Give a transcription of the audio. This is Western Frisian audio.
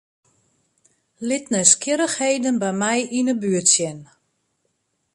Lit nijsgjirrichheden by my yn 'e buert sjen.